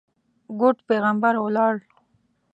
ګوډ پېغمبر ولاړ.